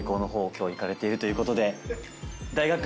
今日行かれているということで。